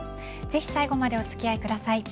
ぜひ最後までお付き合いください。